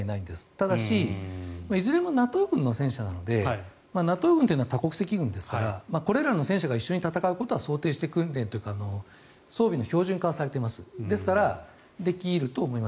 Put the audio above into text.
ただし、いずれもＮＡＴＯ軍の戦車なのでＮＡＴＯ軍というのは多国籍軍ですからこれらの戦車が一緒に戦うことは想定して訓練というか装備の標準化はされていると思います。